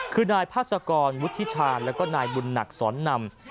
คือนายพาสกรวุฒิชาญแล้วก็นายบุญหนักสอนนำ